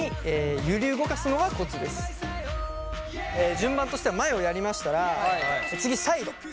順番としては前をやりましたら次サイド。